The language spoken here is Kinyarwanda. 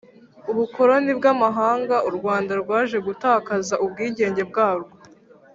ubukoloni bw‘amahanga u Rwanda Rwaje gutakaza ubwigenge bwarwo